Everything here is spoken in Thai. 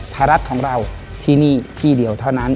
ไทยรัฐของเราที่นี่ที่เดียวเท่านั้น